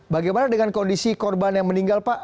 bagaimana dengan kondisi korban yang meninggal pak